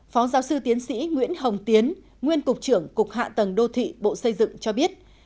phó giáo sư tiến sĩ nguyễn hồng tiến nguyên cục trưởng cục hạ tầng đô thị bộ xây dựng cho biết